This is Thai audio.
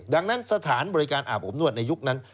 ดังนั้นสถานบริการอาบอบนวดในยุคนั้น